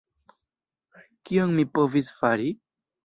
Kion mi povis fari?